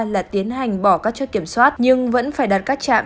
là tiến hành bỏ các chất kiểm soát nhưng vẫn phải đặt các chạm